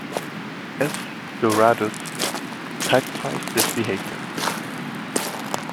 S Doradus typifies this behaviour.